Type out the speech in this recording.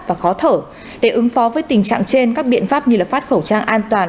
và khó thở để ứng phó với tình trạng trên các biện pháp như phát khẩu trang an toàn